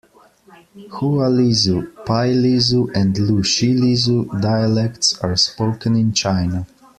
Hua Lisu, Pai Lisu, and Lu Shi Lisu dialects are spoken in China.